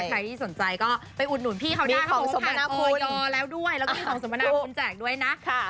ใครที่สนใจก็ไปอุดหนุนพี่เขาได้ของสถานะคุณรอแล้วด้วยแล้วก็ของสมนาคุณแจกด้วยนะ